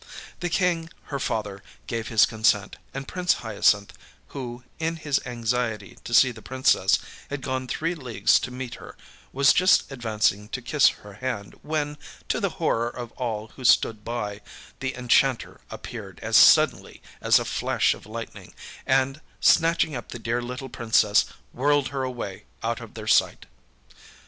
The King, her father, gave his consent; and Prince Hyacinth, who, in his anxiety to see the Princess, had gone three leagues to meet her was just advancing to kiss her hand when, to the horror of all who stood by, the enchanter appeared as suddenly as a flash of lightning, and, snatching up the Dear Little Princess, whirled her away out of their sight!